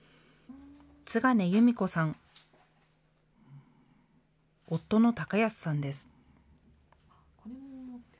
津金由美子さん、夫の貴康さんです。